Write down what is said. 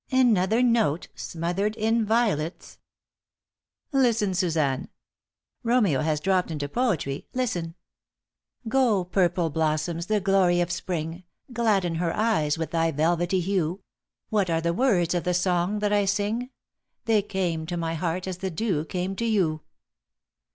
Another note, smothered in violets. Listen, Suzanne! Romeo has dropped into poetry. Listen: "'Go, purple blossoms, the glory of Spring, Gladden her eyes with thy velvety hue; What are the words of the song that I sing? They came to my heart as the dew came to you.